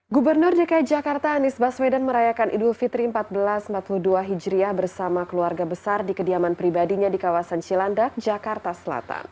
gubernur dki jakarta anies baswedan merayakan idul fitri seribu empat ratus empat puluh dua hijriah bersama keluarga besar di kediaman pribadinya di kawasan cilandak jakarta selatan